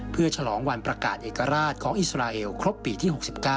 เพื่อฉลองวันประกาศเอกราชของอิสราเอลครบปีที่๖๙